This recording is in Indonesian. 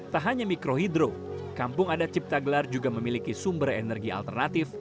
tak hanya mikrohidro kampung adat cipta gelar juga memiliki sumber energi alternatif